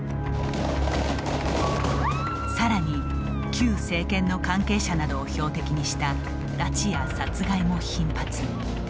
さらに、旧政権の関係者などを標的にした拉致や殺害も頻発。